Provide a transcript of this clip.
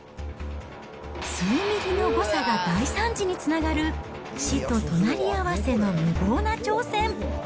数ミリの誤差が大惨事につながる、死と隣り合わせの無謀な挑戦。